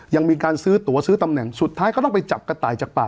ยังมีการซื้อตัวซื้อตำแหน่งสุดท้ายก็ต้องไปจับกระต่ายจากป่า